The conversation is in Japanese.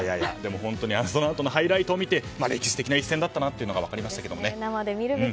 本当にそのあとのハイライトを見て歴史的な一戦だったなというのが分かりましたけどね。